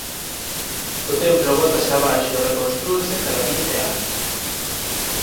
O templo bótase abaixo e reconstrúese cada vinte anos.